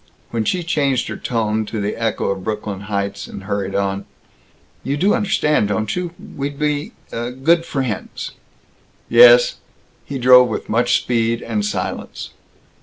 when she changed her tone to the echo of Brooklyn Heights, and hurried on, "You do understand, don't you! We'll be, uh, good friends." "Yes." He drove with much speed and silence.